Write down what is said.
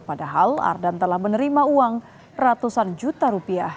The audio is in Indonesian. padahal ardan telah menerima uang ratusan juta rupiah